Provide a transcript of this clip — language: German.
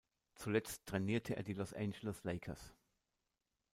Zuletzt trainierte er die Los Angeles Lakers.